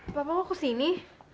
bapak mau kesini